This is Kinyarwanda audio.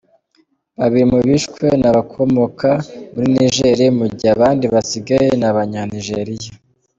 Babiri mu bishwe ni abakomoka muri Niger, mu gihe abandi basigaye ni abanya-Nigeria.